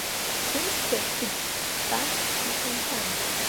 Сымшқәа ҭыџьҵас ихьанҭан.